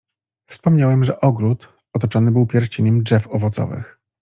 "Wspomniałem, że ogród otoczony był pierścieniem drzew owocowych."